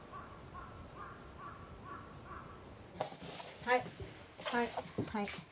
はいはいはい。